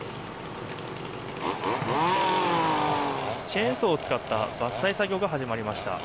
チェーンソーを使った伐採作業が始まりました。